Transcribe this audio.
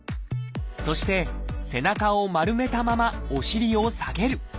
そして背中を丸めたままお尻を下げる。